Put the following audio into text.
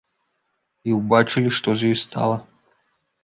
І ўбачылі, што з ёй стала.